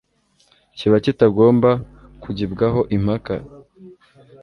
kiba kitagomba kugibwaho impaka.